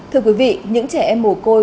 thưa quý vị những trẻ em mổ côi